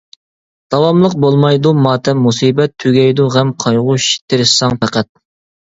داۋاملىق بولمايدۇ ماتەم مۇسىبەت، تۈگەيدۇ غەم قايغۇ تىرىشساڭ پەقەت.